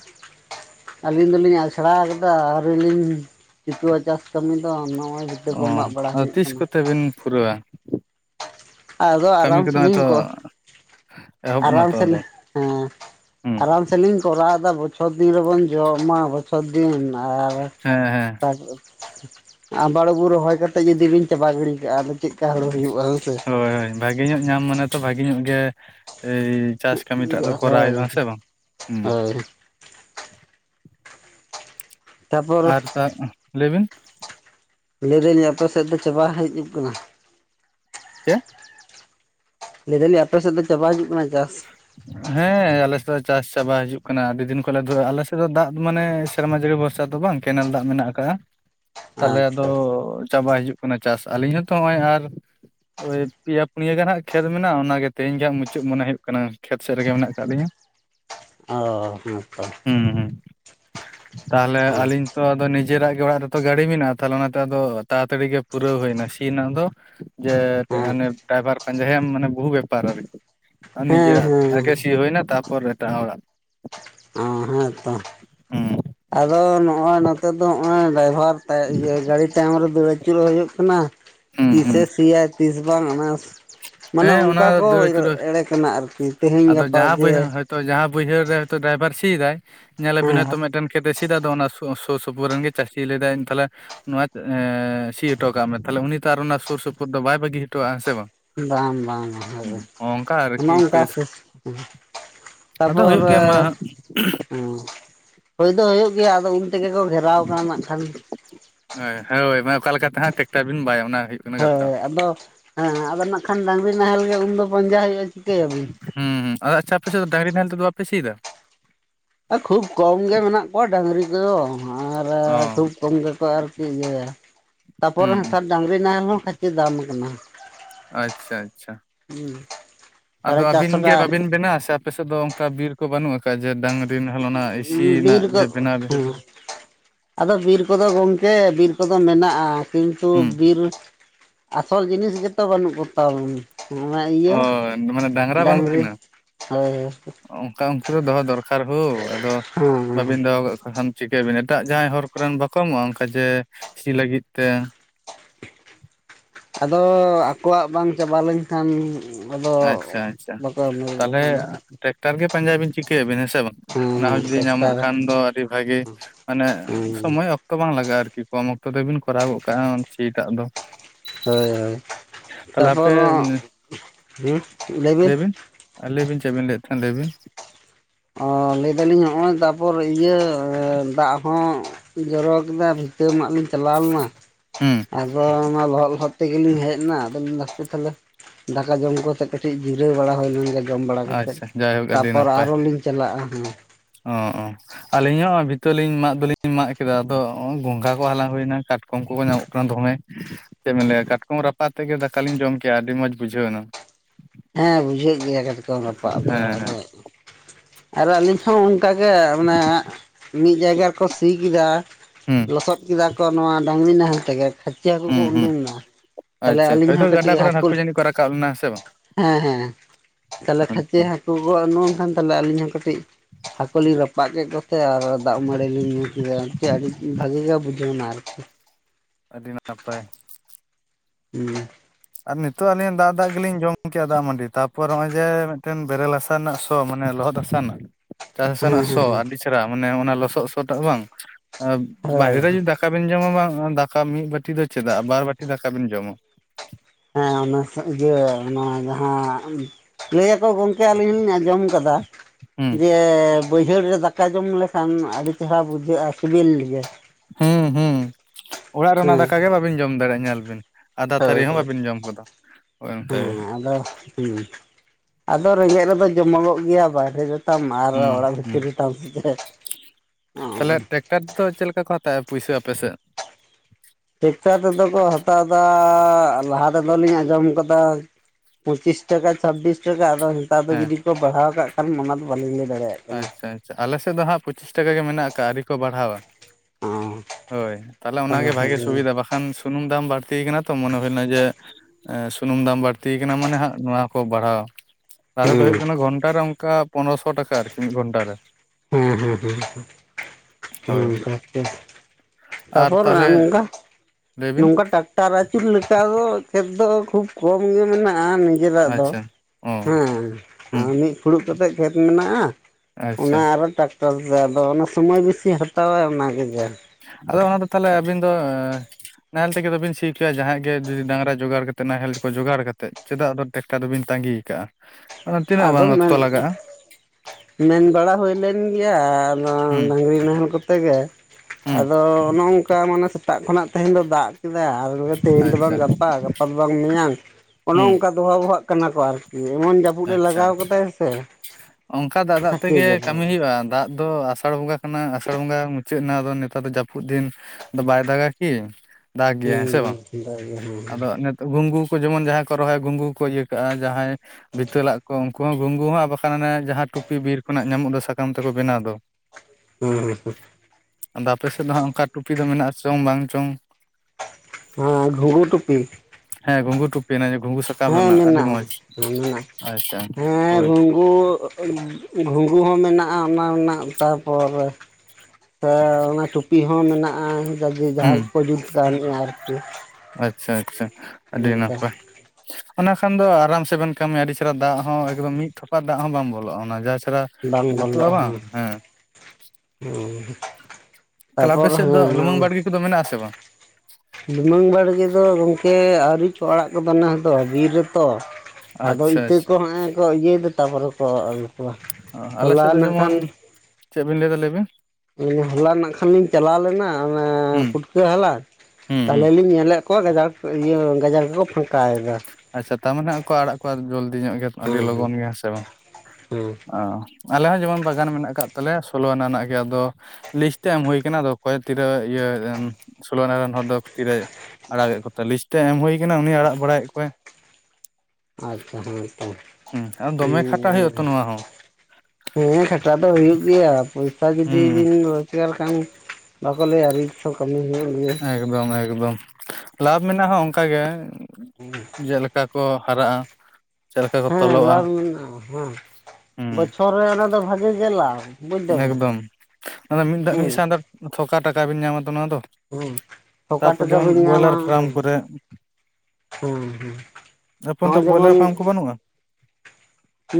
ᱟᱹᱞᱤᱧ ᱫᱚᱞᱤᱧ ᱟᱥᱲᱟ ᱠᱟᱫᱟ ᱟᱹᱣᱨᱤ ᱞᱤᱧ ᱡᱤᱛᱩᱼᱟ ᱪᱟᱥ ᱠᱟᱹᱢᱤ ᱫᱚ ᱱᱚᱜᱼᱚᱭ᱾ ᱤᱴᱟᱹ ᱠᱚ ᱚ ᱢᱟᱜ ᱵᱟᱲᱟ ᱟᱫᱚ ᱦᱩᱭᱩᱜ ᱠᱟᱱᱟ᱾ ᱛᱤᱥ ᱵᱮᱱ ᱯᱩᱨᱟᱹᱣᱟ᱾ ᱟᱫᱚ ᱠᱟᱹᱢᱤ ᱟᱨᱟᱢ ᱠᱚᱫᱚ ᱥᱮᱱᱤᱧ ᱦᱚᱭᱛᱚ ᱠᱚ᱾ ᱮᱦᱚᱵ ᱟᱨᱟᱢ ᱱᱟᱛᱚ ᱥᱮ ᱟᱫᱚ ᱞᱤᱧ ᱦᱮᱸ ᱦᱩᱸ ᱟᱨᱟᱢ ᱥᱮ ᱞᱤᱧ᱾ ᱠᱚᱨᱟᱣ ᱮᱫᱟ ᱵᱚᱪᱷᱚᱨ ᱫᱤᱱ ᱨᱮᱵᱚᱱ ᱡᱚᱢᱟ ᱵᱚᱪᱷᱚᱨ ᱫᱤᱱ ᱟᱨ᱾ ᱦᱮᱸ ᱦᱮᱸ ᱟᱸ ᱟᱵᱟᱲ ᱟᱵᱩ ᱨᱚᱦᱚᱭ ᱠᱟᱛᱮ ᱡᱩᱫᱤ ᱵᱤᱱ ᱪᱟᱵᱟ ᱜᱤᱰᱤ ᱠᱟᱜᱼᱟ ᱾ ᱪᱮᱫ ᱠᱟ ᱦᱚᱲᱩ ᱦᱩᱭᱩᱜᱼᱟ ᱦᱮᱸ ᱥᱮ᱾ ᱦᱳᱭ ᱦᱳᱭ ᱵᱷᱟᱜᱮ ᱧᱚᱜ ᱧᱟᱢ ᱢᱟᱱᱮ ᱛᱚ ᱵᱷᱟᱜᱮ ᱧᱚᱜ ᱜᱮ ᱮᱭ᱾ ᱪᱟᱥ ᱠᱟᱹᱢᱤ ᱴᱟᱜ ᱫᱚ ᱠᱚᱨᱟᱣ ᱦᱳᱭ ᱫᱟ ᱦᱮᱸ ᱥᱮ ᱵᱟᱝ᱾ ᱦᱳᱭ ᱛᱟᱯᱚᱨ ᱟᱨ ᱟᱨ ᱞᱟᱹᱭ ᱵᱤᱱ ᱞᱟᱹᱭᱮᱫᱟᱹᱧ ᱟᱯᱮ ᱥᱮᱫ ᱫᱚ ᱪᱟᱵᱟ ᱦᱤᱡᱩᱜ ᱠᱟᱱᱟ᱾ ᱪᱮᱫ ᱞᱟᱹᱭ ᱫᱟᱞᱤᱧ ᱟᱯᱮ ᱥᱮᱫ ᱫᱚ ᱪᱟᱵᱟ ᱦᱤᱡᱩᱜ ᱠᱟᱱᱟ ᱪᱟᱥ᱾ ᱦᱮᱸ ᱟᱞᱮᱥᱮᱫ ᱫᱚ ᱪᱟᱥ ᱪᱟᱵᱟ ᱦᱤᱡᱩᱜ ᱠᱟᱱᱟ ᱟᱹᱰᱤ ᱫᱤᱱ ᱠᱷᱚᱱᱮ ᱫᱷᱩᱨᱟᱹᱣ ᱟᱞᱮ ᱥᱮᱫ ᱫᱚ ᱫᱟᱜ ᱢᱟᱱᱮ᱾ ᱥᱮᱨᱢᱟ ᱡᱟᱹᱲᱤ ᱵᱷᱚᱨᱥᱟ ᱫᱚ ᱵᱟᱝ ᱠᱮᱱᱮᱞ ᱫᱟᱜ ᱢᱮᱱᱟᱜ ᱟᱠᱟᱟᱜᱼᱟ, ᱛᱟᱦᱚᱞᱮ ᱟᱫᱚ ᱟᱪᱪᱷᱟ ᱪᱟᱵᱟ ᱦᱤᱡᱩᱜ ᱠᱟᱱᱟ ᱪᱟᱥ ᱟᱹᱞᱤᱧ ᱦᱚᱸᱛᱚ ᱦᱚᱸᱜᱼᱚᱭ ᱟᱨ ᱳᱭ ᱯᱮᱭᱟ ᱯᱩᱱᱭᱟᱹ ᱜᱮ ᱱᱟᱦᱟᱸᱜ ᱠᱷᱮᱛ ᱢᱮᱱᱟᱜᱼᱟ ᱚᱱᱟᱜᱮ ᱛᱮᱦᱮᱧ ᱜᱮ ᱦᱟᱸᱜ ᱢᱩᱪᱟᱹᱫ ᱢᱚᱱᱮ ᱦᱩᱭᱩᱜ ᱠᱟᱱᱟ, ᱠᱷᱮᱛ ᱥᱮᱫ ᱨᱮᱜᱮ ᱢᱮᱱᱟᱜ ᱟᱠᱟᱫ ᱞᱤᱧᱟᱹ᱾ ᱚ ᱦᱮᱸ ᱛᱚ ᱦᱩᱸ ᱛᱟᱦᱞᱮ ᱦᱮᱸ ᱟᱹᱞᱤᱧ ᱛᱚ ᱟᱫᱚ ᱱᱤᱡᱮ ᱨᱟᱜ ᱜᱮ ᱚᱲᱟᱜ ᱨᱮ ᱛᱚ ᱜᱟᱹᱰᱤ ᱢᱮᱱᱟᱜᱼᱟ ᱛᱟᱦᱞᱮ ᱚᱱᱟᱛᱮ ᱟᱫᱚ ᱛᱟᱲᱟᱛᱟᱲᱤ ᱜᱮ ᱯᱩᱨᱟᱹᱣ ᱦᱩᱭᱱᱟ, ᱥᱤ ᱨᱮᱱᱟᱜ ᱫᱚ ᱡᱮ ᱦᱟᱸᱱᱮ ᱰᱨᱟᱭᱵᱷᱟᱨ ᱯᱟᱸᱡᱟᱭᱟᱢ ᱢᱟᱱᱮ ᱵᱚᱦᱩ ᱵᱮᱯᱟᱨ ᱟᱨᱠᱤ ᱟ ᱦᱮᱸ ᱱᱤᱡᱮᱨᱟᱜ ᱦᱮᱸ ᱟᱜᱮ ᱥᱤ ᱦᱩᱭᱱᱟ ᱛᱟᱨᱯᱚᱨ ᱮᱴᱟᱜ ᱦᱚᱲᱟᱜ᱾ ᱚ ᱦᱮᱸᱛᱚ ᱦᱩᱸ ᱟᱫᱚ ᱱᱚᱜᱼᱚᱭ ᱱᱚᱛᱮ ᱫᱚ ᱱᱚᱜᱼᱚᱭ ᱰᱟᱭᱵᱷᱟᱨ ᱛᱟᱭ ᱤᱭᱟᱹ ᱜᱟᱹᱲᱤ ᱛᱟᱭᱚᱢ ᱨᱮ ᱫᱟᱹᱲ ᱟᱪᱩᱨᱚᱜ ᱦᱩᱭᱩᱜ ᱠᱟᱱᱟ ᱦᱩᱸ ᱦᱩᱸ ᱛᱤᱥᱮ ᱥᱮᱟᱭ ᱛᱤᱥ ᱵᱟᱝ ᱚᱱᱟ ᱢᱟᱱᱮ ᱦᱮᱸ ᱚᱱᱟ ᱚᱱᱠᱟ ᱠᱚ ᱫᱟᱹᱲ ᱟᱹᱪᱩᱨ ᱮᱲᱮ ᱠᱟᱱᱟ ᱟᱨᱠᱤ ᱛᱮᱦᱮᱧ ᱜᱟᱯᱟ ᱡᱮ ᱛᱚ ᱡᱟᱦᱟᱸ ᱵᱟᱹᱭᱦᱟᱹᱲ ᱨᱮ ᱦᱚᱭᱛᱚ ᱰᱨᱟᱭᱵᱷᱟᱨ ᱥᱤᱫᱟᱭ ᱧᱮᱞᱟᱵᱤᱱ ᱦᱚᱭᱛᱚ ᱦᱮᱸ ᱢᱮᱫᱴᱮᱱ ᱠᱷᱮᱛ ᱮ ᱥᱤ ᱟᱫ ᱟᱫᱚ ᱚᱱᱟ ᱥᱩ ᱥᱩᱨ ᱥᱩᱯᱩᱨ ᱨᱮᱱ ᱜᱮ ᱪᱟᱹᱥᱤ ᱞᱟᱹᱭᱫᱟ ᱛᱟᱦᱚᱞᱮ ᱱᱚᱣᱟ ᱮᱸ ᱥᱤ ᱦᱚᱴᱚ ᱠᱟᱜ ᱢᱮ ᱛᱟᱦᱚᱞᱮ ᱩᱱᱤ ᱛᱚ ᱟᱨ ᱚᱱᱟ ᱥᱩᱨ ᱥᱩᱯᱩᱨ ᱫᱚ ᱵᱟᱭ ᱵᱟᱹᱜᱤ ᱦᱚᱴᱚᱣᱟᱜᱼᱟ ᱦᱮᱸᱥᱮ ᱵᱟᱝ? ᱵᱟᱝ ᱵᱟᱝ ᱦᱳᱭ ᱚᱱᱠᱟ ᱚᱱᱮ ᱟᱨᱠᱤ ᱚᱱᱠᱟ ᱠᱮᱥ ᱥᱤᱥ ᱛᱟ ᱟᱫᱚ ᱦᱩᱭᱩᱜ ᱯᱚᱨᱮ ᱜᱮᱭᱟ ᱢᱟ ᱩᱸ ᱦᱩᱭᱳᱭ ᱫᱚ ᱦᱩᱭᱩᱜ ᱜᱮᱭᱟ ᱟᱫᱚ ᱩᱱ ᱛᱮᱜᱮ ᱠᱚ ᱜᱷᱮᱨᱟᱣ ᱠᱟᱱᱟ ᱱᱟᱜ ᱠᱷᱟᱱ ᱾ ᱦᱳᱹᱭ ᱢᱟ ᱚᱠᱟ ᱞᱮᱠᱟᱛᱮ ᱦᱟᱸᱜ ᱴᱮᱠᱴᱟᱨ ᱵᱤᱱ ᱵᱟᱭ ᱚᱱᱟ ᱦᱩᱭᱩᱜ ᱠᱟᱱᱟ ᱠᱟᱛᱷᱟ ᱦᱳᱹᱭ ᱟᱫᱚ ᱦᱮᱸ ᱟᱫᱚ ᱱᱟᱜ ᱠᱷᱟᱱ ᱰᱟᱹᱟᱝᱨᱤ ᱱᱟᱦᱮᱞ ᱜᱮ ᱩᱱ ᱫᱚ ᱯᱟᱸᱡᱟ ᱦᱩᱸᱭᱩᱜᱼᱟ ᱪᱤᱠᱟᱹᱭᱟᱵᱤᱱ ᱾ ᱦᱩᱸ ᱟᱪᱷᱟ ᱟᱯᱮᱫ ᱫᱚ ᱰᱟᱝᱨᱤ ᱱᱟᱦᱮᱞ ᱛᱮᱫ ᱵᱟᱯᱮ ᱥᱤᱫᱟ? ᱠᱷᱩᱵ ᱠᱚᱢ ᱜᱮ ᱢᱮᱱᱟᱜ ᱠᱚᱣᱟ ᱰᱟᱹᱝᱨᱤ ᱠᱚ ᱫᱚ ᱟᱨ ᱚ ᱠᱷᱩᱵ ᱠᱚᱢ ᱜᱮᱠᱚ ᱟᱨᱠᱤ ᱤᱭᱟᱹᱭᱟ ᱛᱟᱨᱯᱚᱨ ᱦᱩᱸ ᱦᱩᱸ ᱦᱟᱸᱥᱟᱨ ᱰᱟᱝᱨᱤ ᱱᱟᱦᱮᱞ ᱦᱚᱸ ᱠᱷᱟᱪᱮ ᱫᱟᱢ ᱠᱟᱱᱟ ᱾ ᱟᱪᱪᱷᱟ ᱪᱷᱟ ᱾ ᱦᱩᱸ ᱾ ᱟᱫᱚ ᱟᱹᱵᱤᱱ ᱜᱮ ᱵᱟᱵᱤᱱ ᱵᱮᱱᱟᱜᱼᱟ ᱥᱮ ᱟᱯᱮ ᱥᱮᱫ ᱫᱚ ᱚᱱᱠᱟ ᱵᱤᱨ ᱠᱚ ᱵᱟᱹᱱᱩᱜ ᱟᱠᱟᱫ ᱡᱮ ᱰᱟᱝᱨᱤ ᱱᱟᱦᱮᱞ ᱚᱱᱟ ᱮᱹᱥᱤ ᱨᱮᱱᱟᱜ ᱵᱤᱨ ᱠᱚ ᱡᱮ ᱵᱮᱱᱟᱣ ᱵᱮ ᱦᱮᱸ ᱟᱫᱚ ᱵᱤᱨ ᱠᱚᱫᱚ ᱜᱚᱢᱠᱮ ᱵᱤᱨ ᱠᱚᱫᱚ ᱢᱮᱱᱟᱜᱼᱟ, ᱠᱤᱱᱛᱩ ᱦᱩᱸ ᱵᱤᱨ ᱟᱥᱚᱞ ᱡᱤᱱᱤᱥ ᱜᱮᱛᱚ ᱵᱟᱹᱱᱩᱜ ᱠᱚᱛᱟ ᱵᱚᱱ ᱾ ᱚᱱᱟ ᱚ ᱤᱭᱟᱹ ᱢᱟᱱᱮ ᱰᱟᱝᱨᱟ ᱵᱟᱹᱱᱩᱜ ᱰᱟᱹᱝᱨᱤ ᱠᱤᱱᱟᱹ ᱦᱳᱹᱭ ᱦᱳᱹᱭ ᱾ ᱚᱱᱠᱟ ᱩᱱᱠᱩ ᱫᱚ ᱫᱚᱦᱚ ᱫᱚᱨᱠᱟᱨ ᱦᱳ ᱟᱫᱚ ᱦᱮᱸ ᱵᱟᱟᱹᱵᱤᱱ ᱫᱚᱦᱚ ᱠᱟᱜ ᱠᱚ ᱠᱷᱟᱱ ᱪᱤᱠᱟᱹᱭᱵᱤᱱ ᱮᱴᱟᱜ ᱡᱟᱦᱟᱸᱭ ᱦᱚᱲ ᱠᱚᱨᱮᱱ ᱵᱟᱠᱚ ᱮᱢᱚᱜᱼᱟ ᱚᱱᱠᱟ ᱡᱮ ᱥᱤ ᱞᱟᱹᱜᱤᱫ ᱛᱮ᱾ ᱟᱫᱚ ᱟᱠᱚᱣᱟᱜ ᱵᱟᱝ ᱪᱟᱵᱟ ᱞᱮᱱ ᱠᱷᱟᱱ ᱾ ᱟᱪᱪᱷᱟ ᱟᱪᱪᱷᱟ ᱛᱟᱦᱚᱞᱮ ᱠᱟᱱᱟ ᱴᱮᱠᱴᱟᱨ ᱜᱮ ᱯᱟᱸᱡᱟᱭ ᱵᱤᱱ ᱪᱤᱠᱟᱹᱭᱟᱵᱤᱱ ᱦᱮᱸ ᱥᱮ ᱵᱟᱝ ᱦᱮᱸ ᱾ ᱚᱱᱟᱦᱚᱸ ᱡᱩᱫᱤ ᱧᱟᱢᱚᱜ ᱴᱮᱠᱴᱟᱨ ᱠᱷᱟᱱ ᱫᱚ ᱟᱹᱰᱤ ᱵᱷᱟᱹᱜᱮ ᱢᱟᱱᱮ ᱦᱮᱸ ᱥᱚᱢᱚᱭ ᱚᱠ ᱛᱚ ᱵᱟᱝ ᱞᱟᱜᱟᱜᱼᱟ, ᱟᱨᱠᱤ ᱠᱚᱢ ᱚᱠᱛᱚ ᱫᱚ ᱵᱤᱱ ᱠᱚᱨᱟᱣ ᱜᱚᱜ ᱠᱟᱜᱼᱟ ᱥᱤᱴᱟᱜ ᱫᱚ ᱾ ᱦᱳᱹᱭ ᱦᱳᱹᱭ ᱟᱯᱮ ᱛᱟᱯᱚᱨ ᱚᱸᱜ ᱦᱩᱸ ᱞᱟᱹᱭᱵᱤᱱ᱾ ᱟ ᱞᱟᱹᱭ ᱵᱤᱱ ᱪᱮᱫ ᱵᱤᱱ ᱞᱟᱹᱭᱮᱫ ᱛᱟᱦᱮᱱᱟ ᱞᱟᱹᱭ ᱵᱤᱱ ᱾ ᱚ ᱞᱟᱹᱭ ᱫᱟᱞᱤᱧ ᱦᱚᱜᱼᱚᱭ ᱛᱟᱯᱚᱨ ᱤᱭᱟᱹ ᱫᱟᱜ ᱦᱚᱸ ᱡᱚᱨᱚ ᱠᱮᱫᱟ ᱵᱷᱤᱛᱟᱹ ᱢᱟᱜ ᱞᱤᱧ ᱪᱟᱞᱟᱣ ᱞᱮᱱᱟ, ᱦᱩᱸ ᱾ ᱟᱫᱚ ᱚᱱᱟ ᱞᱚᱦᱚᱫ ᱞᱚᱦᱚᱫ ᱛᱮ ᱜᱮᱤᱧ ᱦᱮᱡᱱᱟ, ᱟᱫᱚ ᱦᱟᱯᱮ ᱛᱟᱦᱚᱞᱮ ᱫᱟᱠᱟ ᱡᱚᱢ ᱠᱟᱛᱮᱜ ᱠᱟᱹᱴᱤᱡ ᱡᱤᱨᱟᱹᱣ ᱵᱟᱲᱟ ᱦᱩᱭ ᱞᱮᱱ ᱜᱮ ᱡᱚᱢ ᱵᱟᱲᱟ ᱠᱟᱛᱮᱫ, ᱟᱪᱪᱷᱟ ᱡᱟᱭᱦᱳᱠ ᱟᱹᱰᱤ ᱛᱟᱯᱚᱨ ᱱᱟᱯᱟᱭ ᱟᱨᱚᱞᱤᱧ ᱪᱟᱞᱟᱜᱼᱟ ᱦᱩᱸ ᱾ ᱚ ᱟᱹᱞᱤᱧ ᱦᱚᱸ ᱵᱷᱤᱛᱚᱞᱤᱧ ᱢᱟᱜ ᱫᱚᱞᱤᱧ ᱢᱟᱜ ᱠᱮᱫᱟ ᱟᱫᱚ ᱵᱚᱸᱜᱷᱟ ᱠᱚ ᱦᱟᱞᱟᱝ ᱦᱩᱭᱱᱟ ᱠᱟᱴ ᱠᱚᱢ ᱠᱚᱠᱚ ᱧᱟᱢᱚᱜ ᱠᱟᱱᱟ ᱫᱚᱢᱮ, ᱪᱮᱫ ᱵᱤᱱ ᱞᱟᱹᱭᱟ ᱠᱟᱴᱠᱚᱢ ᱨᱟᱯᱟᱜ ᱛᱮᱜᱮ ᱫᱟᱠᱭᱟᱞᱤᱧ ᱡᱚᱢ ᱠᱮᱫᱼᱟ ᱟᱹᱰᱤ ᱢᱚᱸᱡ ᱵᱩᱡᱷᱣ ᱱᱟ ᱾ ᱦᱮᱸ ᱵᱩᱡᱷᱟᱹᱜ ᱜᱮᱭᱟ ᱠᱟᱴᱠᱚᱢ ᱨᱟᱯᱟᱜ ᱫᱚ, ᱦᱮᱸ ᱦᱮᱸ ᱟᱫᱚ ᱟᱨ ᱟᱹᱞᱤᱧ ᱦᱚᱸ ᱚᱱᱠᱟ ᱜᱮ ᱢᱟᱱᱮ ᱢᱤᱫ ᱡᱟᱭᱜᱟ ᱨᱮ ᱠᱚ ᱥᱤ ᱠᱮᱫᱟ ᱦᱩᱸ ᱞᱚᱥᱚᱫ ᱠᱮᱫᱟ ᱠᱚ ᱱᱚᱣᱟ ᱰᱟᱝᱨᱤ ᱱᱟᱦᱮᱞ ᱛᱮᱜᱮ ᱠᱷᱟ ᱪᱮᱫ ᱦᱟᱹᱠᱩ ᱠᱚ ᱦᱩᱸ ᱦᱩᱸ ᱩᱰᱩᱝ ᱮᱱᱟ ᱛᱟᱦᱚᱞᱮ ᱟᱹᱞᱤᱧ ᱦᱚᱸ ᱠᱟᱹᱴᱤᱡ ᱦᱟᱹᱠᱩ ᱾ ᱠᱟᱞᱱᱟ ᱥᱮ ᱵᱟᱝ ᱾ ᱦᱮᱸ ᱦᱮᱸ ᱛᱟᱦᱚᱞᱮ ᱠᱷᱟᱪ ᱾ ᱦᱟᱹᱠᱩ ᱩᱰᱩᱠᱚ ᱠᱟᱱ ᱛᱟᱦᱚᱞᱮ ᱟᱹᱞᱤᱧ ᱦᱚᱸ ᱠᱟᱹᱴᱤᱡ ᱦᱟᱹᱠᱩ ᱞᱤᱧ ᱨᱟᱯᱟᱜ ᱠᱮᱫ ᱠᱚᱛᱮ ᱟᱨ ᱾ ᱫᱟᱜ ᱡᱟᱹᱲᱤ ᱞᱤᱧ ᱧᱩ ᱠᱮᱫᱟ ᱟᱨ ᱠᱤ ᱟᱹᱰᱤ ᱵᱷᱟᱜᱤ ᱜᱮ ᱵᱩᱡᱷᱟᱹᱣ ᱮᱱᱟ ᱟᱨ ᱠᱤ ᱾ ᱟᱹᱰᱤ ᱱᱟᱯᱟᱭ ᱦᱩᱸ ᱟᱨ ᱱᱤᱛᱚᱜ ᱟᱹᱞᱤᱧ ᱫᱟᱜ ᱫᱟᱜ ᱜᱮᱞᱤᱧ ᱡᱚᱢ ᱠᱮᱜᱼᱟ ᱫᱟᱜ ᱢᱟᱹᱰᱤ ᱛᱟᱯᱚᱨ ᱱᱚᱜᱼᱚᱭ ᱡᱮ ᱢᱤᱫᱴᱮᱱ ᱵᱮᱨᱮᱞ ᱦᱟᱥᱟ ᱨᱮᱱᱟᱜ ᱥᱚ ᱢᱟᱱᱮ ᱞᱚᱦᱚᱫ ᱦᱟᱥᱟ ᱨᱮᱱᱟᱜ, ᱪᱟᱥ ᱦᱟᱥᱟ ᱦᱮᱸ ᱨᱮᱱᱟᱜ ᱦᱮᱸ ᱥᱚ ᱟᱹᱰᱤ ᱨᱟ ᱢᱟᱱᱮ ᱚᱱᱟ ᱞᱚᱥᱚᱫ ᱫᱚ ᱴᱟᱜ ᱵᱟᱝ ᱵᱟᱦᱨᱮ ᱨᱮ ᱡᱩᱫᱤ ᱫᱟ ᱫᱟᱠᱟ ᱵᱤᱱ ᱡᱚᱢᱟ ᱵᱟᱝ ᱫᱟᱠᱟ ᱢᱤᱫ ᱵᱟᱹᱴᱤ ᱫᱚ ᱪᱮᱫᱟᱜ ᱵᱟᱨ ᱵᱟᱹᱴᱤ ᱫᱟᱠᱟ ᱵᱤᱱ ᱡᱚᱢᱟ ᱾ ᱦᱮᱸ ᱚᱱᱟ ᱥᱟ ᱤᱭᱟᱹ ᱚᱱᱟ ᱡᱟᱦᱟᱸ ᱞᱟᱹᱭ ᱟᱠᱚ ᱜᱚᱝᱠᱮ ᱟᱹᱞᱤᱧ ᱞᱤᱧ ᱟᱸᱡᱚᱢ ᱠᱟᱫᱟ ᱦᱩᱸ ᱡᱮ ᱵᱟᱹᱭᱦᱟᱹᱲ ᱨᱮ ᱫᱟᱠᱟ ᱡᱚᱢ ᱞᱮᱠᱷᱟᱱ ᱟᱹᱰᱤ ᱪᱮᱦᱨᱟ ᱵᱩᱡᱷᱟᱹᱜᱼᱟ ᱥᱤᱵᱤᱞ ᱜᱮ ᱾ ᱦᱮᱸ ᱦᱮᱸ ᱚᱲᱟᱜ ᱨᱮ ᱚᱱᱟ ᱦᱮᱸ ᱫᱟᱠᱟ ᱜᱮ ᱵᱟᱵᱤᱱ ᱡᱚᱢ ᱫᱟᱲᱮᱜᱼᱟ ᱧᱮᱞ ᱵᱤᱱ ᱾ ᱟᱫᱷᱟ ᱛᱷᱟᱹᱨᱤ ᱦᱳᱭ ᱦᱚᱸ ᱦᱳᱭ ᱵᱟᱵᱤᱱ ᱡᱚᱢ ᱠᱟᱫᱟ ᱦᱳᱭ ᱚᱱᱠᱟᱜᱮ ᱦᱮᱸ ᱾ ᱟᱫᱚ ᱦᱩᱸ, ᱟᱫᱚ ᱨᱮᱸᱜᱮᱡ ᱨᱮᱫᱚ ᱡᱚᱢᱚ ᱜᱚᱜ ᱜᱮᱭᱟ ᱵᱟᱨᱦᱮ ᱨᱮ ᱛᱟᱢ ᱟᱨ ᱦᱩᱸ ᱚᱲᱟᱜ ᱦᱩᱸ ᱵᱷᱤᱛᱨᱤ ᱨᱮᱛᱟᱢ ᱥᱮᱪᱮᱫ [unintelligible] [unintelligible] ᱛᱮᱫᱚ ᱪᱮᱫ ᱞᱮᱠᱟ ᱠᱚ ᱦᱟᱛᱟᱣᱮᱜᱼᱟ ᱯᱩᱭᱥᱟᱹ ᱟᱯᱮᱥᱮᱫ? ᱴᱮᱠᱴᱟᱨ ᱛᱮᱫᱚ ᱠᱚ ᱦᱟᱛᱟᱣ ᱫᱟ ᱞᱟᱦᱟ ᱛᱮᱫᱚᱞᱤᱧ ᱟᱸᱡᱚᱢ ᱠᱟᱫᱟ ᱯᱚᱸᱪᱤᱥ ᱴᱟᱠᱟ ᱪᱷᱟᱵᱵᱤᱥ ᱴᱟᱠᱟ ᱟᱫᱚ ᱱᱮᱛᱟᱨ ᱫᱚ ᱦᱮᱸ ᱡᱩᱫᱤ ᱠᱚ ᱵᱟᱲᱦᱟᱣ ᱠᱟᱜ ᱠᱷᱟᱱ ᱚᱱᱟ ᱫᱚ ᱵᱟᱹᱞᱤᱧ ᱞᱟᱹᱭ ᱫᱟᱲᱮᱭᱟᱜ ᱠᱟᱱᱟ ᱟᱪᱪᱷᱟ ᱟᱪᱪᱷᱟ ᱟᱞᱮ ᱥᱮᱫ ᱫᱚ ᱦᱟᱸᱜ ᱯᱚᱸᱪᱤᱥ ᱴᱟᱠᱟ ᱜᱮ ᱢᱮᱱᱟᱜ ᱟᱠᱟᱜ-ᱟ ᱟᱹᱣᱨᱤ ᱠᱚ ᱵᱟᱲᱦᱟᱣᱟ ᱾ ᱚᱸ ᱦᱳᱭ ᱛᱟᱦᱞᱮ ᱚᱱᱟ ᱜᱮ ᱵᱷᱟᱜᱮ ᱥᱩᱵᱤᱫᱷᱟ ᱵᱟᱠᱷᱟᱱ ᱥᱩᱱᱩᱢ ᱫᱟᱢ ᱵᱟᱹᱲᱛᱤ ᱠᱟᱱᱟ ᱛᱚ ᱢᱚᱱᱮ ᱦᱩᱭ ᱞᱮᱱᱟ ᱡᱮ ᱥᱩᱱᱩᱢ ᱫᱟᱢ ᱵᱟᱹᱲᱛᱤ ᱠᱟᱱᱟ ᱢᱟᱱᱮ ᱦᱟᱸᱜ ᱱᱚᱣᱟ ᱠᱚ ᱵᱟᱲᱦᱟᱣᱟ ᱞᱟᱦᱟ ᱛᱮᱫᱚ ᱦᱮᱸ ᱦᱩᱭᱩᱜ ᱠᱟᱱᱟ ᱜᱷᱚᱱᱴᱟ ᱨᱮ ᱚᱱᱠᱟ ᱯᱚᱱᱮᱨᱚᱥᱚ ᱴᱟᱠᱟ ᱟᱨᱠᱤ ᱢᱤᱫ ᱜᱷᱚᱱᱴᱟ ᱨᱮ ᱾ ᱦᱮᱸ ᱦᱳᱭ ᱦᱮᱸ [unintelligible] ᱟᱨ ᱛᱟᱯᱚᱨ ᱛᱟᱦᱚᱞᱮ ᱱᱚᱜᱼ ᱱᱚᱝᱠᱟ ᱞᱟᱹᱭ ᱵᱤᱱ ᱱᱚᱝᱠᱟ ᱴᱟᱠᱴᱟᱨ ᱟᱹᱪᱩᱨ ᱞᱮᱠᱟ ᱫᱚ ᱠᱷᱮᱛ ᱫᱚ ᱠᱷᱩᱵ ᱠᱚᱢ ᱜᱮ ᱢᱮᱱᱟᱜᱼᱟ ᱱᱤ ᱡᱮᱨᱟᱜ ᱫᱚ ᱟᱪᱪᱷᱟ ᱚ ᱦᱩᱸ ᱦᱮᱸ ᱢᱤᱫ ᱯᱷᱩᱲᱩᱜ ᱠᱟᱛᱮᱫ ᱠᱷᱮᱛ ᱢᱮᱱᱟᱜᱼᱟ ᱟᱪᱪᱷᱟ ᱚᱱᱟ ᱟᱨᱚ ᱴᱟᱠ ᱴᱚᱨ ᱫᱚ ᱟᱫᱚ ᱚᱱᱟ ᱥᱚᱢᱳᱚᱭ ᱵᱤᱥᱤ ᱦᱟᱛᱟᱣᱟᱭ ᱚᱱᱟ ᱜᱮ ᱡᱟ ᱾ ᱟᱫᱚ ᱚᱱᱟ ᱫᱚ ᱛᱟᱦᱞᱮ ᱟᱹᱵᱤᱱ ᱫᱚ ᱱᱟᱦᱮᱞ ᱛᱮᱜᱮ ᱵᱟᱵᱤᱱ ᱥᱤ ᱦᱚᱪᱚᱭᱟ ᱡᱟᱦᱟᱸᱭᱟᱜ ᱜᱮ ᱡᱩᱫᱤ ᱰᱟᱝᱨᱟ ᱡᱳᱜᱟᱲ ᱠᱟᱛᱮᱫ ᱱᱟᱦᱮᱞ ᱠᱚ ᱡᱚᱜᱟᱲ ᱠᱟᱛᱮᱫ ᱪᱮᱫᱟᱜ ᱴᱮᱠᱴᱟᱨ ᱫᱚᱵᱤᱱ ᱛᱟᱸᱜᱤ ᱠᱟᱜᱼᱟ ᱚᱱᱟ ᱛᱤᱱᱟᱹᱜ ᱟᱫᱚ ᱵᱟᱝ ᱚᱠᱛᱚ ᱢᱮᱱ ᱞᱟᱜᱟᱜᱼᱟ? ᱢᱮᱱ ᱵᱟᱲᱟ ᱦᱩᱭ ᱞᱮᱱ ᱜᱮᱭᱟ ᱚᱱᱟ ᱦᱩᱸ ᱰᱟᱝᱨᱤ ᱱᱟᱦᱮᱞ ᱠᱚᱛᱮ ᱜᱮ ᱦᱩᱸ ᱟᱫᱚ ᱚᱱᱮ ᱚᱱᱠᱟ ᱢᱟᱱᱮ ᱥᱮᱛᱟᱜ ᱠᱷᱚᱱᱟᱜ ᱛᱮᱦᱮᱧ ᱫᱚ ᱫᱟᱜ ᱠᱮᱫᱟ ᱟᱨᱮ ᱛᱮᱦᱮᱧ ᱫᱚ ᱵᱟᱝ ᱟᱪᱪᱷᱟ ᱜᱟᱯᱟ ᱜᱟᱯᱟ ᱫᱚ ᱵᱟᱝ ᱢᱮᱭᱟᱝ ᱚᱱᱮ ᱦᱩᱸ ᱚᱱᱠᱟ ᱫᱚᱦᱚ ᱵᱚᱦᱟᱜ ᱠᱟᱱᱟ ᱠᱚ ᱟᱨᱠᱤ ᱮᱢᱚᱱ ᱡᱟᱯᱩᱫ ᱮ ᱟᱪᱪᱷᱟ ᱞᱟᱜᱟᱣ ᱠᱟᱫᱟᱭ ᱥᱮ ᱚᱱᱠᱟ ᱫᱟᱜ ᱫᱟᱜ ᱠᱷᱟᱪᱮ ᱛᱮᱜᱮ ᱠᱟᱹᱢᱤ ᱡᱟᱯᱩᱫ ᱾ ᱦᱩᱭᱩᱜᱼᱟ ᱫᱟᱜ ᱫᱚ ᱟᱥᱟᱲ ᱵᱚᱸᱜᱟ ᱠᱟᱱᱟ ᱟᱥᱟᱲ ᱵᱚᱸᱜᱟ ᱢᱩᱪᱟᱹᱫ ᱮᱱᱟ ᱟᱫᱚ ᱱᱮᱛᱟᱨ ᱫᱚ ᱡᱟᱹᱯᱩᱫ ᱫᱤᱱ ᱟᱫᱚ ᱵᱟᱭ ᱫᱟᱜᱟ ᱠᱤ ᱫᱟᱜ ᱜᱮᱭᱟ ᱦᱮᱸ ᱥᱮ ᱦᱩᱸ ᱵᱟᱝ ᱚᱱᱠᱟᱜᱮ ᱟᱫᱚ ᱦᱮᱸ ᱱᱮ ᱜᱷᱩᱸᱜᱩ ᱠᱚ ᱡᱮᱢᱚᱱ ᱡᱟᱦᱟᱸᱭ ᱠᱚ ᱨᱚᱦᱚᱭᱟ ᱜᱷᱩᱸᱜᱩ ᱠᱚ ᱤᱭᱟᱹ ᱠᱟᱜᱼᱟ ᱡᱟᱦᱟᱸᱭ ᱵᱤᱛᱟᱹᱞᱟᱜ ᱠᱚ ᱩᱱᱠᱩ ᱦᱚᱸ ᱜᱷᱩᱸᱜᱩ ᱦᱚᱸ ᱟᱨ ᱵᱟᱠᱷᱟᱱ ᱚᱱᱮ ᱡᱟᱦᱟᱸ ᱴᱩᱯᱤ ᱵᱤᱨ ᱠᱷᱚᱱᱟᱜ ᱧᱟᱢᱚᱜ ᱫᱚ ᱥᱟᱠᱟᱢ ᱛᱮᱠᱚ ᱵᱮᱱᱟᱣ ᱫᱚ ᱦᱩᱸ ᱦᱩᱸ ᱟᱫᱚ ᱟᱯᱮ ᱥᱮᱫ ᱫᱚ ᱦᱟᱸᱜ ᱚᱱᱠᱟ ᱴᱩᱯᱤ ᱫᱚ ᱢᱮᱱᱟᱜᱼᱟ ᱪᱚᱝ ᱵᱟᱝ ᱪᱚᱝ? ᱦᱮᱸ ᱜᱷᱩᱜᱩ ᱴᱩᱯᱤ ᱦᱮᱸ ᱜᱩᱜᱩ ᱴᱩᱯᱤ ᱚᱱᱮ ᱜᱷᱩᱸᱜᱩ ᱥᱟᱠᱟᱢ ᱦᱮᱸ ᱨᱮᱱᱟᱜ ᱟᱹᱰᱤ ᱢᱮᱱᱟᱜᱼᱟ ᱢᱚᱸᱡᱽ ᱢᱮᱱᱟᱜᱼᱟ ᱟᱪᱪᱷᱟ ᱦᱮᱸ ᱦᱳᱭ ᱜᱷᱩ ᱜᱩ ᱜᱷᱩᱸᱜᱩ ᱦᱚᱸ ᱢᱮᱱᱟᱜᱼᱟ ᱚᱱᱟ ᱨᱮᱱᱟᱜ ᱛᱟᱨᱯᱚᱨᱮ ᱥᱮ ᱚᱱᱟ ᱴᱩᱯᱤ ᱦᱚᱸ ᱢᱮᱱᱟᱜᱼᱟ ᱡᱟᱠᱜᱮ ᱡᱟᱦᱟᱸᱭ ᱦᱩᱸ ᱠᱚ ᱡᱩᱛ ᱠᱟᱣᱱᱤᱡ-ᱟ ᱟᱨᱠᱤ ᱟᱪᱪᱷᱟ ᱟᱪᱪᱷᱟ ᱟᱹᱰᱤ ᱚᱱᱠᱟ ᱱᱟᱯᱟᱭ। ᱚᱱᱟ ᱠᱷᱟᱱ ᱫᱚ ᱟᱨᱟᱢ ᱥᱮ ᱵᱮᱱ ᱠᱟᱹᱢᱤᱭᱟ ᱟᱹᱰᱤ ᱪᱮᱨᱦᱟ ᱫᱟᱜ ᱦᱚᱸ ᱮᱠᱫᱚᱢ ᱢᱤᱫ ᱴᱷᱚᱯᱟ ᱫᱟᱜ ᱦᱚᱸ ᱵᱟᱝ ᱵᱚᱞᱚᱜᱼᱟ ᱚᱱᱟ ᱡᱟ ᱪᱮᱨᱦᱟ ᱵᱟᱝ ᱡᱩᱛᱩᱜᱼᱟ ᱵᱚᱱᱫᱚᱜᱼᱟ ᱵᱟᱝ ᱦᱮᱸ, [unintelligible] ᱛᱟᱞᱮ ᱟᱯᱮ ᱥᱮᱫ ᱫᱚ ᱞᱩᱢᱟᱹᱝ ᱦᱮᱸ ᱵᱟᱲᱜᱮ ᱠᱚᱫᱚ ᱢᱮᱱᱟᱜᱼᱟ ᱥᱮ ᱵᱟᱝ? ᱞᱩᱢᱟᱹᱝ ᱵᱟᱲᱜᱮ ᱫᱚ ᱜᱚᱝᱠᱮ ᱟᱹᱣᱨᱤ ᱠᱚ ᱟᱲᱟᱜ ᱠᱚᱫᱚ ᱱᱮᱥ ᱫᱚ ᱵᱤᱨ ᱨᱮᱛᱚ ᱟᱫᱚ ᱟᱪᱪᱷᱟ ᱤᱛᱟᱹ ᱟᱪᱪᱷᱟ ᱠᱚ ᱱᱮᱜᱼᱮ ᱠᱚ ᱤᱭᱟᱹᱭᱫᱟ ᱛᱟᱯᱚᱨᱮ ᱠᱚ ᱟᱹᱜᱩ ᱠᱚᱣᱟ ᱟᱞᱮ ᱦᱚᱞᱟ ᱥᱮᱫ ᱫᱚ ᱱᱟᱜ ᱠᱷᱟᱱ ᱡᱮᱢᱚᱱ ᱪᱮᱫ ᱵᱤᱱ ᱞᱟᱹᱭ ᱫᱟ ᱞᱟᱹᱭ ᱵᱤᱱ ᱦᱚᱞᱟ ᱱᱟᱜ ᱠᱷᱟᱱᱤᱧ ᱪᱟᱞᱟᱣ ᱞᱮᱱᱟ ᱚᱱᱮ ᱦᱩᱸ ᱯᱩᱴᱠᱟᱹ ᱦᱟᱞᱟᱝ ᱦᱩᱸ ᱦᱩᱸ ᱛᱟᱞᱦᱮ ᱞᱤᱧ ᱧᱮᱞᱮᱫ ᱠᱚᱣᱟ ᱜᱟᱡᱟᱲ ᱠᱚ ᱤᱭᱟᱹ ᱜᱟᱡᱟᱲ ᱠᱚᱠᱚ ᱯᱷᱟᱸᱠᱟ ᱭᱮᱫᱟ ᱟᱪᱪᱷᱟ ᱛᱟ ᱢᱟᱱᱮ ᱱᱟᱜ ᱠᱚ ᱟᱲᱟᱜ ᱠᱚᱣᱟ ᱡᱚᱞᱫᱤ ᱧᱚᱜ ᱜᱮ ᱟᱹᱰᱤ ᱞᱚᱜᱚᱱ ᱜᱮ ᱦᱮᱸ ᱥᱮ ᱵᱟᱝ ᱦᱮᱸ ᱚ ᱟᱞᱮ ᱦᱚᱸ ᱡᱮᱢᱚᱱ ᱵᱟᱜᱟᱱ ᱢᱮᱱᱟᱜ ᱟᱠᱟᱜ ᱛᱟᱞᱮᱭᱟ ᱥᱳᱞᱳ ᱟᱱᱟ ᱨᱮᱱᱟᱜ ᱜᱮ ᱟᱫᱚ ᱞᱤᱡᱽ ᱛᱮ ᱮᱢ ᱦᱩᱭ ᱠᱟᱱᱟ ᱟᱫᱚ ᱚᱠᱚᱭ ᱛᱤᱨᱮ ᱤᱭᱟᱹ ᱥᱳᱞᱳ ᱟᱱᱟ ᱨᱮᱱ ᱦᱚᱲ ᱫᱚ ᱛᱤᱨᱮ ᱟᱲᱟᱜᱮᱫ ᱠᱚᱛᱮ ᱞᱤᱥᱴᱮ ᱮᱢ ᱦᱩᱭ ᱠᱟᱱᱟ ᱩᱱᱤ ᱟᱲᱟᱜ ᱵᱟᱲᱟᱭᱮᱫ ᱠᱚᱣᱟᱭ ᱟᱪᱪᱷᱟ ᱦᱮᱸ ᱛᱚ ᱦᱩᱸ ᱟᱨ ᱫᱚᱢᱮ ᱠᱷᱟᱴᱟᱜ ᱦᱩᱭᱩᱜ ᱟᱛᱚ ᱱᱚᱣᱟ ᱦᱚᱸ ᱩᱸᱻ ᱦᱮᱸ ᱠᱷᱟᱴᱟᱜ ᱫᱚ ᱦᱩᱭᱩᱜ ᱜᱮᱭᱟ ᱯᱚᱭᱥᱟ ᱡᱩᱫᱤ ᱦᱩᱸ ᱵᱤᱱ ᱨᱚᱡᱜᱟᱨ ᱠᱷᱟᱱ ᱵᱟᱠᱚ ᱞᱟᱹᱭᱟ ᱨᱤᱠᱥ ᱦᱚᱸ ᱠᱟᱹᱢᱤ ᱦᱩᱭᱩᱜ ᱜᱮᱭᱟ ᱮᱠᱫᱚᱢ ᱮᱠᱫᱚᱢ ᱞᱟᱵᱷ ᱢᱮᱱᱟᱜ ᱦᱚᱸ ᱚᱝᱠᱟ ᱜᱮ ᱡᱮᱞᱮᱠᱟ ᱠᱚ ᱦᱟᱨᱟᱜ-ᱟ ᱦᱮᱸ ᱞᱟᱵᱷ ᱢᱮᱱᱟᱜᱼᱟ ᱦᱮᱸ ᱦᱩᱸ ᱵᱚᱪᱷᱚᱨ ᱨᱮ ᱚᱱᱟ ᱫᱚ ᱵᱷᱟᱜᱮ ᱜᱮ ᱞᱟᱵᱷ ᱵᱩᱡ ᱫᱟᱵᱤᱱ ᱮᱠᱫᱚᱢ ᱟᱫᱚ ᱢᱤᱫ ᱫᱷᱟ ᱢᱤᱫ ᱦᱮᱸ ᱥᱟᱶ ᱛᱮ ᱛᱷᱚᱠᱟ ᱴᱟᱠᱟ ᱵᱤᱱ ᱧᱟᱢᱟ ᱛᱚ ᱱᱚᱣᱟ ᱫᱚ ᱦᱮᱸ ᱴᱷᱚᱠᱟ ᱛᱟᱯᱚᱨ ᱴᱚᱠᱟ ᱡᱮᱢᱚᱱ ᱵᱤᱱ ᱧᱟᱢᱟ ᱵᱚᱭᱞᱟᱨ ᱯᱷᱟᱨᱟᱢ ᱦᱮᱸ ᱠᱚᱨᱮ ᱦᱮᱸ ᱦᱮᱸ ᱟᱯᱮ ᱚᱱᱛᱮ ᱱᱚᱜᱼᱚᱭ ᱵᱚᱭᱞᱟᱨ ᱡᱮᱢᱚᱱ ᱯᱷᱟᱨᱢ ᱠᱚ ᱵᱟᱹᱱᱩᱜ-ᱟ?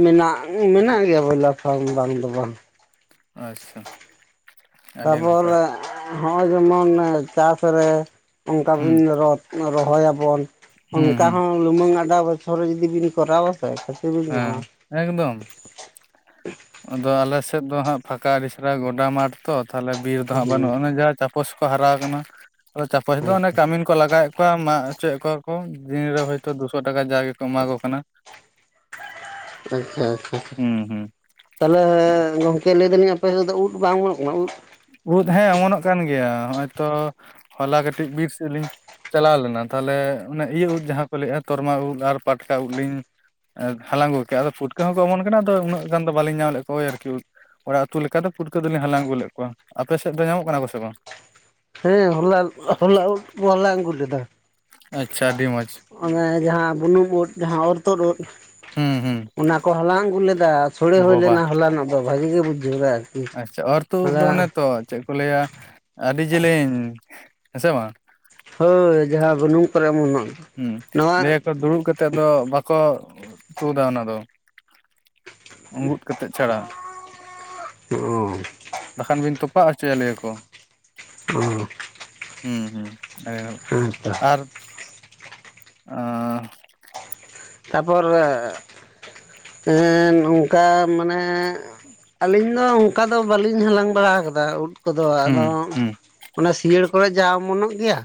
ᱢᱮᱱᱟᱜ ᱢᱮᱱᱟᱜ ᱜᱮᱭᱟ ᱵᱚᱭᱞᱟᱨ ᱯᱷᱟᱨᱢ ᱵᱟᱝ ᱫᱚ ᱵᱟᱝ ᱟᱪᱪᱷᱟ ᱟᱹᱰᱤ ᱱᱟᱯᱟᱭ ᱛᱟᱯᱚᱨᱮ ᱱᱚᱜ-ᱚᱭ ᱡᱮᱢᱚᱱ ᱪᱟᱥ ᱨᱮ ᱚᱝᱠᱟ ᱦᱩᱸ ᱵᱤᱱ ᱨᱚᱛ ᱨᱚᱦᱚᱭᱟ ᱵᱚᱱ ᱦᱩᱸ ᱚᱱᱠᱟ ᱦᱩᱸ ᱦᱚᱸ ᱞᱩᱢᱟᱹᱝ ᱟᱰᱟ ᱵᱚᱪᱷᱚᱨ ᱨᱮ ᱡᱩᱫᱤ ᱵᱤᱱ ᱠᱚᱨᱟᱣᱟ ᱥᱮ ᱵᱤᱱ ᱧᱟᱢᱟ ᱦᱮᱸ ᱮᱠᱫᱚᱢ ᱟᱫᱚ ᱟᱞᱮ ᱥᱮᱫ ᱫᱚ ᱦᱟᱸᱜ ᱯᱷᱟᱠᱟ ᱟᱰᱤ ᱪᱮᱨᱦᱟ ᱜᱚᱰᱟ ᱢᱟᱴᱷ ᱛᱚ ᱛᱟᱞᱦᱮ ᱵᱤᱨ ᱫᱚ ᱦᱟᱸᱜ ᱦᱮᱸ ᱵᱟᱹᱱᱩᱜᱼᱟ ᱚᱱᱮ ᱡᱟᱦᱟᱸ ᱪᱟᱯᱚᱥ ᱠᱚ ᱦᱟᱨᱟ ᱟᱠᱟᱱᱟ ᱪᱟᱯᱚᱥ ᱫᱚ ᱚᱱᱮ ᱟᱪᱪᱷᱟ ᱠᱟᱢᱤᱱ ᱠᱚ ᱞᱟᱜᱟᱣᱮᱫ ᱠᱚᱣᱟ ᱢᱟᱜ ᱦᱚᱪᱚᱭᱮᱫ ᱠᱚᱣᱟ ᱠᱚ ᱫᱤᱱ ᱨᱮ ᱦᱚᱭᱛᱚ ᱫᱩᱥᱚ ᱴᱟᱠᱟ ᱡᱟᱜᱮ ᱠᱚ ᱮᱢᱟ ᱠᱚ ᱠᱟᱱᱟ ᱟᱪᱪᱷᱟ ᱟᱪᱪᱷᱟ ᱦᱩᱸ ᱦᱩᱸ ᱛᱟᱞᱦᱮ ᱜᱚᱝᱠᱮ ᱞᱟᱹᱭ ᱫᱟᱞᱤᱧ ᱟᱯᱮ ᱥᱮᱫ ᱫᱚ ᱩᱫ ᱵᱟᱝ ᱚᱢᱚᱱᱜ ᱠᱟᱱᱟ ᱩᱫ? ᱩᱲᱫ ᱦᱮᱸ ᱚᱢᱚᱱᱚᱜ ᱠᱟᱱ ᱜᱮᱭᱟ ᱱᱚᱜ-ᱚᱭ ᱛᱚ ᱦᱚᱞᱟ ᱠᱟᱹᱴᱤᱡ ᱵᱤᱨ ᱥᱮᱫ ᱞᱤᱧ ᱪᱟᱞᱟᱣ ᱞᱮᱱᱟ ᱛᱟᱞᱮ ᱚᱱᱮ ᱤᱭᱟᱹ ᱩᱫ ᱡᱟᱦᱟᱸ ᱠᱚ ᱞᱟᱹᱭᱮᱜ-ᱟ ᱛᱚᱨᱢᱟ ᱩᱫ ᱟᱨ ᱯᱟᱴᱠᱟ ᱩᱫ ᱞᱤᱧ ᱮ ᱦᱟᱞᱟᱝ ᱜᱚᱫ ᱠᱮᱫ ᱟᱫᱚ ᱯᱩᱴᱟᱹ ᱦᱚᱸᱠᱚ ᱚᱢᱚᱱ ᱠᱟᱱᱟ ᱟᱫᱚ ᱩᱱᱟᱹᱜ ᱜᱟᱱ ᱫᱚ ᱵᱟᱞᱤᱧ ᱧᱟᱢ ᱞᱮᱫ ᱠᱚᱣᱟ ᱳᱭ ᱟᱨᱠᱤ ᱩᱫ ᱚᱲᱟᱜ ᱩᱛᱩ ᱞᱮᱠᱟ ᱫᱚ ᱯᱩᱴᱠᱟᱹ ᱫᱚᱞᱤᱧ ᱦᱟᱞᱟᱝ ᱟᱹᱜᱩ ᱞᱮᱫ ᱠᱚᱣᱟ ᱟᱯᱮ ᱥᱮᱫ ᱫᱚ ᱧᱟᱢᱚᱜ ᱠᱟᱱᱟ ᱠᱚ ᱥᱮ ᱵᱟᱝ? ᱦᱮᱸ ᱦᱚᱞᱟ ᱦᱚᱞᱟ ᱩᱫ ᱠᱚ ᱦᱟᱞᱟᱝ ᱟᱜᱩ ᱞᱮᱫᱟ ᱟᱪᱪᱷᱟ ᱟᱹᱰᱤ ᱢᱚᱸᱡᱽ ᱚᱱᱮ ᱡᱟᱦᱟᱸ ᱵᱩᱱᱩᱢ ᱩᱫ ᱡᱟᱦᱟᱸ ᱚᱨᱛᱩᱫ ᱩᱫ ᱦᱩᱸ ᱦᱩᱸ ᱚᱱᱟᱠᱚ ᱦᱟᱞᱟᱝ ᱟᱜᱩ ᱞᱮᱫᱟ ᱥᱳᱲᱮ ᱦᱳᱭ ᱵᱳᱵᱟ ᱞᱮᱱᱟ ᱦᱚᱞᱟᱱᱚᱜ ᱫᱚ ᱵᱷᱟᱜᱤ ᱜᱮ ᱵᱩᱡᱷᱟᱹᱣᱱᱟ ᱟᱪᱪᱷᱟ ᱚᱨ ᱛᱩᱫ ᱩᱫ ᱚᱱᱮᱛᱚ ᱪᱮᱫ ᱠᱚ ᱞᱟᱹᱭᱟ ᱟᱹᱰᱤ ᱡᱮᱞᱮᱧ ᱦᱮᱸ ᱥᱮ ᱵᱟᱝ ᱦᱳᱭ ᱡᱟᱦᱟᱸ ᱵᱩᱱᱩᱢ ᱠᱚᱨᱮ ᱚᱢᱚᱱᱚᱜ ᱦᱩᱸ ᱱᱚᱣᱟ ᱞᱟᱹᱭᱟᱠᱚ ᱫᱩᱲᱩᱵ ᱠᱟᱛᱮᱜ ᱫᱚ ᱵᱟᱠᱚ ᱛᱩᱫᱟ ᱚᱱᱟ ᱫᱚ ᱩᱸᱜᱩᱫ ᱠᱟᱛᱮᱫ ᱪᱷᱟᱲᱟ ᱚ ᱵᱟᱠᱷᱟᱱ ᱵᱤᱱ ᱛᱚᱯᱟᱜ ᱦᱚᱪᱚᱭᱟ ᱞᱟᱹᱭᱟᱠᱚ ᱚ ᱦᱩᱸ ᱦᱩᱸ ᱟᱹᱰᱤ ᱦᱮᱸᱛᱚ ᱟᱨ ᱟᱻ ᱛᱟᱯᱚᱨ ᱚᱝᱠᱟ ᱢᱟᱱᱮᱼᱼ ᱟᱹᱞᱤᱧ ᱫᱚ ᱚᱱᱠᱟ ᱫᱚ ᱵᱟᱟᱹᱞᱤᱧ ᱦᱟᱞᱟᱝ ᱵᱟᱲᱟ ᱠᱟᱫᱟ ᱩᱫ ᱠᱚᱫᱚ ᱦᱩᱸ ᱟᱫᱚᱼᱼ ᱦᱩᱸ ᱚᱱᱟ ᱥᱤᱭᱟᱹᱲ ᱠᱚᱨᱮᱜ ᱡᱟ ᱚᱢᱚᱱᱚᱜ ᱜᱮᱭᱟ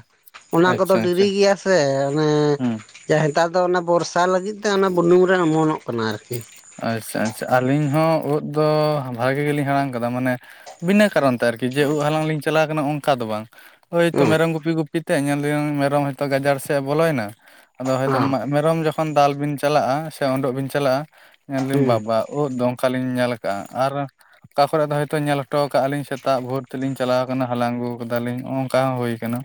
ᱚᱱᱟ ᱠᱚᱫᱚ ᱟᱪᱪᱷᱟ ᱟᱪᱪᱷᱟ ᱰᱤᱨᱤ ᱜᱮᱭᱟ ᱥᱮ ᱚᱱᱮᱼᱼ ᱦᱩᱸ ᱡᱟ ᱮᱛᱟᱨ ᱫᱚ ᱚᱱᱟ ᱵᱚᱨᱥᱟ ᱞᱟᱹᱜᱤᱫ ᱛᱮ ᱚᱱᱟ ᱵᱩᱞᱩᱝ ᱨᱮ ᱚᱢᱚᱱᱚᱜ ᱠᱟᱱᱟ ᱟᱨᱠᱤᱼᱼ ᱟᱪᱪᱷᱟ ᱟᱪᱪᱷᱟ ᱟᱹᱞᱤᱧ ᱦᱚᱸ ᱩᱫ ᱫᱚ ᱵᱷᱟᱜᱤ ᱜᱮᱞᱤᱧ ᱦᱟᱲᱟᱢ ᱠᱟᱫᱟ ᱢᱟᱱᱮ ᱵᱤᱱᱟᱹ ᱠᱟᱨᱚᱱ ᱛᱮ ᱟᱨᱠᱤ ᱡᱮ ᱩᱵ ᱦᱟᱞᱟᱝ ᱞᱤᱧ ᱪᱟᱞᱟᱣ ᱠᱟᱱᱟ ᱚᱱᱠᱟ ᱫᱚ ᱵᱟᱝ ᱳᱭᱛᱚ ᱦᱩᱸ ᱢᱮᱨᱚᱢ ᱜᱩᱯᱤ ᱜᱩᱯᱤ ᱛᱮ ᱧᱮᱞ ᱫᱟᱹ ᱢᱮᱨᱚᱢ ᱦᱚᱭᱛᱚ ᱜᱟᱡᱟᱲ ᱥᱮᱫ ᱮ ᱵᱚᱞᱚᱭᱮᱱᱟ ᱟᱫᱚ ᱦᱚᱛᱚ ᱦᱚᱸ ᱢᱮᱨᱚᱢ ᱡᱚᱠᱷᱚᱱ ᱫᱟᱞ ᱵᱤᱱ ᱪᱟᱞᱟᱜᱼᱟ ᱥᱮ ᱩᱰᱚᱜ ᱵᱤᱱ ᱪᱟᱞᱟᱜᱼᱟ ᱧᱮᱞᱫᱟᱹᱧ ᱦᱩᱸ ᱵᱟᱵᱟᱼᱼ ᱩᱫ ᱫᱚ ᱚᱠᱟᱞᱤᱧ ᱧᱮᱞ ᱟᱠᱟᱜ-ᱟ ᱟᱨᱼᱼ ᱚᱠᱟ ᱠᱚᱨᱮ ᱫᱚ ᱦᱚᱭᱛᱚ ᱧᱮᱞ ᱦᱚᱴᱚ ᱟᱠᱟᱜᱼᱟ ᱞᱤᱧ ᱥᱮᱛᱟᱜ ᱵᱷᱳᱨ ᱛᱮᱞᱤᱧ ᱪᱟᱞᱟᱣ ᱟᱠᱟᱱᱟ ᱦᱟᱞᱟᱝ ᱟᱹᱜᱩ ᱟᱠᱟᱫᱟᱞᱤᱧ ᱱᱚᱜ ᱱᱚᱝᱠᱟ ᱦᱚᱸ ᱦᱩᱭ ᱟᱠᱟᱱᱟ᱾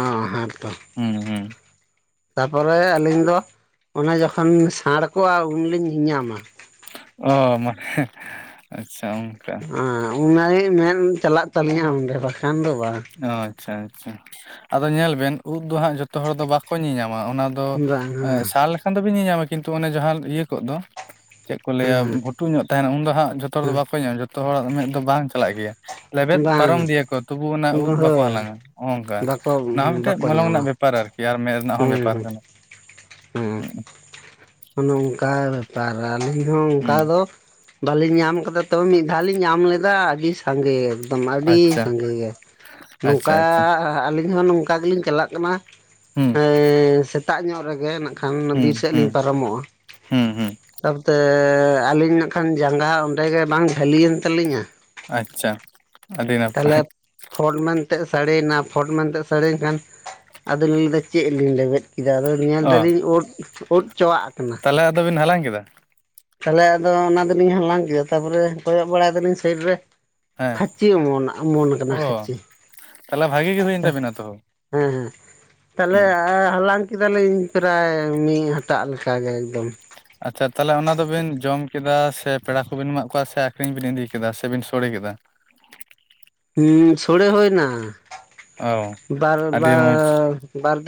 ᱚ ᱦᱮᱸ ᱛᱚ ᱦᱩᱸ ᱦᱩᱸ᱾ ᱛᱟᱯᱚᱨᱮ ᱟᱹᱞᱤᱧ ᱫᱚ ᱚᱱᱮ ᱡᱚᱠᱷᱚᱱ ᱥᱟᱬ ᱠᱚᱜᱼᱟ ᱩᱱᱞᱤᱧ ᱧᱮᱧᱟᱢᱟ, ᱚ ᱢᱟᱱᱮ ᱟᱪᱪᱷᱟ ᱚᱱᱠᱟᱼᱼ ᱩᱱ ᱩᱱᱤᱡ ᱢᱮᱱ ᱪᱟᱞᱟᱜ ᱛᱟᱹᱟᱞᱤᱧᱟ ᱚᱸᱰᱮ ᱵᱟᱠᱷᱟᱱ ᱫᱚ ᱵᱟᱝ ᱚ ᱟᱪᱪᱷᱟ ᱟᱪᱪᱷᱟ ᱟᱫᱚ ᱧᱮᱞ ᱵᱮᱱ ᱩᱫ ᱫᱚ ᱦᱟᱸᱜ ᱡᱚᱛᱚ ᱡᱚᱛᱚ ᱦᱚᱲ ᱫᱚ ᱵᱟᱠᱚ ᱧᱮᱧᱟᱢᱟ ᱚᱱᱟ ᱫᱚ ᱵᱟᱝ ᱥᱟᱞᱼᱼ ᱟᱱ ᱫᱚᱵᱤᱱ ᱧᱮᱧᱟᱢᱟ ᱠᱤᱱᱛᱩ ᱚᱱᱮ ᱡᱟᱦᱟᱸ ᱤᱭᱟᱹ ᱠᱚᱜ ᱫᱚ ᱪᱮᱫ ᱠᱚ ᱞᱟᱹᱭ ᱟ ᱵᱷᱼᱼ ᱦᱮᱸ ᱞᱷᱴᱩ ᱧᱚᱜ ᱛᱟᱦᱮᱱᱟ ᱩᱱᱫᱚ ᱦᱟᱸᱜ ᱡᱚᱛᱚ ᱦᱚᱲ ᱫᱚ ᱵᱟᱠᱚ ᱧᱟᱢᱟ ᱡᱚᱛᱚ ᱦᱚᱲᱟᱜ ᱢᱮᱫ ᱫᱚ ᱵᱟᱝ ᱪᱟᱞᱟᱜ ᱜᱮᱭᱟ᱾ ᱞᱮᱵᱮᱫ ᱦᱮᱸ ᱵᱟᱝ ᱯᱟᱨᱚᱢ ᱫᱮᱤᱭᱟᱠᱚ ᱛᱚᱵᱩ ᱚᱱᱟᱼᱼ ᱵᱟᱠᱚ ᱦᱳᱭ ᱦᱟᱞᱟᱝᱟ ᱱᱚᱜ ᱱᱚᱝᱠᱟ ᱵᱟᱠᱚ ᱚᱱᱟ ᱦᱚᱸ ᱢᱤᱫᱴᱮᱡ ᱵᱟᱠᱚ ᱢᱚᱞᱚᱝ ᱨᱮᱱᱟᱜ ᱧᱟᱢᱟ ᱵᱮᱯᱟᱨ ᱟᱨᱠᱤ ᱟᱨ ᱢᱮᱫ ᱨᱮᱱᱟᱜ ᱦᱚᱸ ᱵᱮᱯᱟᱨ ᱠᱟᱱᱟ᱾ [inaudible] ᱦᱮᱸ ᱚᱱᱮ ᱚᱱᱠᱟ ᱵᱮ ᱯᱟᱨ ᱟᱞᱤᱧ ᱦᱚᱸ ᱚᱱᱠᱟ ᱦᱩᱸ ᱫᱚᱼᱼ ᱵᱟᱹᱞᱤᱧ ᱧᱟᱢ ᱟᱠᱟᱫᱟ ᱛᱚᱵᱮ ᱢᱤᱫ ᱫᱷᱟᱣ ᱞᱤᱧ ᱧᱟᱢ ᱞᱮᱫᱟ ᱟᱹᱰᱤᱥᱼᱼ ᱥᱟᱸᱜᱮ ᱮᱠᱫᱚᱢ ᱟᱹᱰᱤ ᱟᱪᱪᱷᱟ ᱥᱟᱸᱜᱮ ᱜᱮᱭᱟ ᱟᱪᱪᱷᱟ ᱱᱚᱝᱠᱟᱼᱼ ᱟᱪᱪᱷᱟ ᱟᱹᱞᱤᱧ ᱦᱚᱸ ᱱᱚᱝᱠᱟ ᱜᱮᱞᱤᱧ ᱪᱟᱞᱟᱜ ᱠᱟᱱᱟᱼᱼ ᱦᱮᱸ ᱥᱮᱛᱟᱜ ᱧᱚᱜ ᱨᱮᱜᱮ ᱱᱟᱜᱠᱷᱟᱱ ᱦᱩᱸ ᱵᱤᱨ ᱥᱮᱫ ᱦᱩᱸ ᱞᱤᱧ ᱯᱟᱨᱚᱢᱚᱜ-ᱟ᱾ ᱦᱩᱸ ᱦᱩᱸ ᱛᱟᱯᱚᱛ ᱟᱹᱞᱤᱧ ᱱᱟᱜ ᱠᱷᱟᱱ ᱡᱟᱸᱜᱟ ᱚᱸᱰᱮ ᱜᱮ ᱵᱟᱝ ᱡᱷᱟᱹᱞᱤᱭᱮᱱ ᱛᱟᱹᱞᱤᱧᱟ᱾ ᱟᱪᱪᱷᱟ᱾ ᱟᱹᱰᱤ ᱛᱟᱦᱚᱞᱮᱼᱼ ᱱᱟᱯᱟᱭ ᱯᱷᱚᱴ ᱢᱮᱱᱛᱮ ᱥᱟᱹᱲᱤᱭᱮᱱᱟ ᱯᱷᱚᱴ ᱢᱮᱱᱛᱮ ᱥᱟᱹᱲᱤᱭᱮᱱ ᱠᱷᱟᱱ ᱟᱫᱚᱧ ᱞᱟᱹᱭᱮᱫᱟ ᱪᱮᱫ ᱞᱤᱧ ᱞᱮᱵᱮᱫᱼᱼ ᱠᱮᱫᱟ ᱟᱫᱚ ᱧᱮᱞ ᱫᱟᱞᱤᱧ ᱳᱫ ᱳᱫ ᱪᱟᱵᱣᱟᱜ ᱟᱠᱟᱱᱟ ᱟᱞᱮ ᱟᱫᱚᱵᱤᱱ ᱦᱟᱞᱟᱝ ᱠᱮᱫᱟ ᱛᱟᱦᱚᱞᱮ ᱟᱫᱚ ᱚᱱᱟ ᱫᱚᱞᱤᱧ ᱦᱟᱞᱟᱝ ᱠᱮᱫᱟ ᱛᱟᱨᱯᱚᱨᱮ ᱠᱚᱭᱚᱜ ᱵᱟᱲᱟᱭ ᱫᱟᱞᱤᱧ ᱥᱟᱭᱤᱰ ᱨᱮ ᱦᱮᱸ ᱠᱷᱟᱪᱮ ᱚᱢᱚᱱ ᱠᱷᱟᱪᱮ ᱚᱢᱚᱱ ᱠᱟᱱᱟ ᱚ ᱠᱷᱟᱪᱮ ᱛᱟᱦᱚᱞᱮ ᱵᱷᱟᱜᱤ ᱜᱮ ᱦᱩᱭᱮᱱ ᱦᱮᱸ ᱛᱟᱵᱤᱱᱟ ᱛᱚ ᱦᱮᱸ ᱛᱟᱦᱚᱞᱮ ᱦᱩᱸ ᱦᱟᱞᱟᱝᱼᱼ ᱠᱮᱫᱟᱞᱤᱧ ᱯᱨᱟᱭ ᱢᱤᱫ ᱦᱟᱴᱟᱜ ᱠᱟᱜᱮ ᱮᱠᱫᱚᱢ᱾ ᱟᱪᱪᱷᱟ ᱛᱟᱦᱚᱞᱮ ᱚᱱᱟ ᱫᱚᱵᱤᱱ ᱡᱚᱢᱼᱼ ᱠᱮᱫᱟ ᱥᱮ ᱯᱮᱲᱟ ᱠᱚᱵᱤᱱ ᱮᱟᱜ ᱠᱚᱣᱟ ᱥᱮ ᱟᱠᱷᱨᱤᱧ ᱵᱤᱱ ᱤᱫᱤ ᱠᱮᱫᱟ ᱥᱮᱵᱤᱱ ᱥᱳᱲᱮ ᱠᱮᱫᱟ? ᱦᱩ ᱥᱳᱲᱮ ᱦᱩᱭ ᱱᱟ ᱚ ᱵᱟᱨ ᱟᱹᱰᱤ ᱢᱚᱸᱡᱽ ᱵᱟᱨ ᱫᱤᱱᱼᱼ